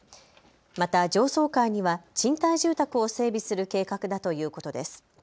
また上層階には賃貸住宅を整備する計画だということです。